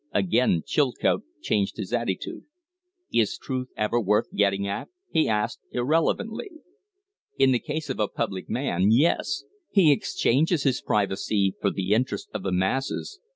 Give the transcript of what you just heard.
Again Chilcote changed his attitude. "Is truth ever worth getting at?" he asked, irrelevantly. "In the case of a public man yes. He exchanges his privacy for the interest of the masses.